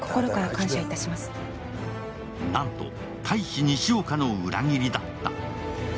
なんと、大使・西岡の裏切りだった。